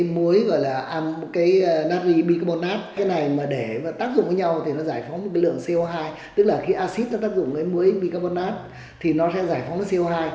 muối gọi là natchi bicarbonate cái này mà để và tác dụng với nhau thì nó giải phóng một cái lượng co hai tức là khi acid nó tác dụng với muối bicarbonate thì nó sẽ giải phóng co hai